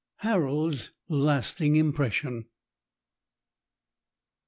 *HAROLD'S LASTING IMPRESSION.